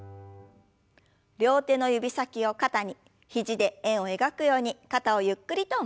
両手の指先を肩に肘で円を描くように肩をゆっくりと回しましょう。